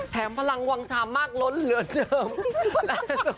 แถมพลังวางชามมากลดเหลือเดิม